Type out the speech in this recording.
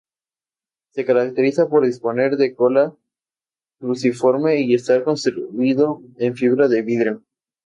Se caracteriza por disponer de cola cruciforme y estar construido en fibra de vidrio.